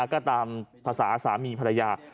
ก็ตามภาษาสามีภรรยา